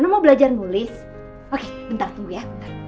mau belajar mulis oke bentar ya